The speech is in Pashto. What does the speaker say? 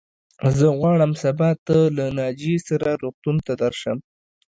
زه غواړم سبا ته له ناجيې سره روغتون ته درشم.